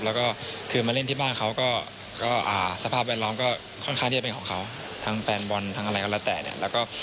แล้วก็คือมาเล่นที่บ้านเขาก็สภาพแวดล้อมก็ค่อนข้างที่จะเป็นของเขาทั้งแฟนบอลทั้งอะไรก็แล้วแต่เนี่ยแล้วก็